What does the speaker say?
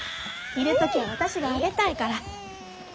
いる時は私があげたいから。